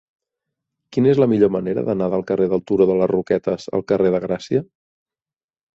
Quina és la millor manera d'anar del carrer del Turó de les Roquetes al carrer de Gràcia?